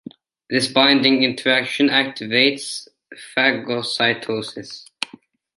This binding interaction activates phagocytosis.